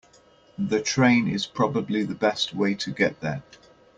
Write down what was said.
The train is probably the best way to get there.